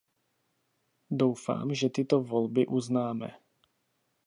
Doufám, že tyto volby uznáme.